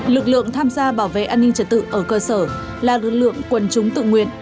lực lượng tham gia bảo vệ an ninh trật tự ở cơ sở là lực lượng quân chúng tự nguyện